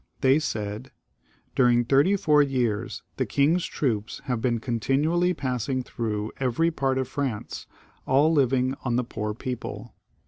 They said " During thirty four years the king's troops have been continually passing through every part of France, all living on the poor people.